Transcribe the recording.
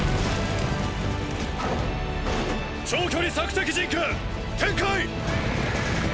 長距離索敵陣形展開！